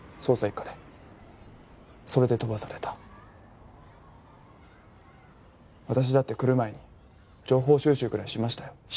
捜査一課でそれで飛ばされた私だって来る前に情報収集ぐらいしましたよ